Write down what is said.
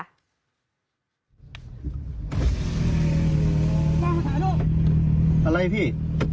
นั่งข้างหน้าลูกอะไรพี่